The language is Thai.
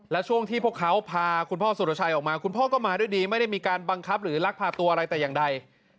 และช่วงที่พวกเขาพาคุณพ่อสุรชัยออกมาคุณพ่อก็มาด้วยดีไม่ได้มีการบังคับหรือลักพาตัวอะไรแต่อย่างใด